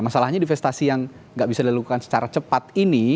masalahnya divestasi yang nggak bisa dilakukan secara cepat ini